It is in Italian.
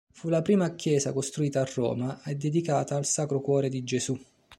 Fu la prima chiesa costruita a Roma e dedicata al Sacro Cuore di Gesù.